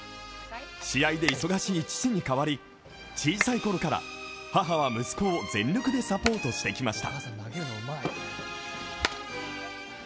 試合で忙しい父に代わり小さいころから母は息子を全力でサポートしてきました。